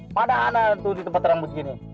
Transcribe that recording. mana tuh di tempat rambut gini